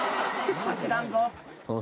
走らんぞ。